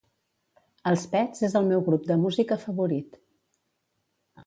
Els Pets és el meu grup de música favorit.